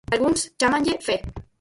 Algúns chámanlle fe.